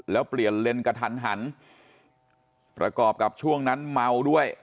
แล้วเปลี่ยนเลนส์กระทันหันประกอบกับช่วงนั้นเมาด้วย